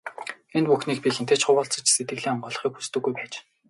Энэ бүхнийг би хэнтэй ч хуваалцаж, сэтгэлээ онгойлгохыг хүсдэггүй байж.